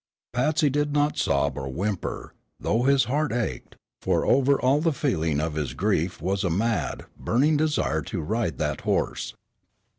Patsy did not sob or whimper, though his heart ached, for over all the feeling of his grief was a mad, burning desire to ride that horse.